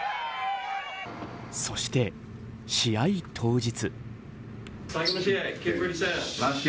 そして試合当日。